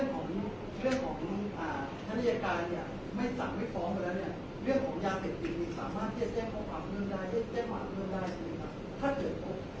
ไม่สั่งไม่ฟ้องแล้วเนี่ย